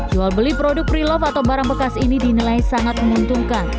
jual beli produk pre love atau barang bekas ini dinilai sangat menguntungkan